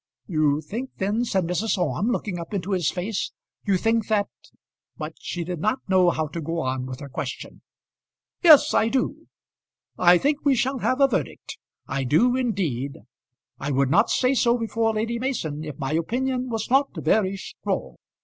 "You think then," said Mrs. Orme, looking up into his face, "you think that " But she did not know how to go on with her question. "Yes, I do. I think we shall have a verdict; I do, indeed. I would not say so before Lady Mason if my opinion was not very strong.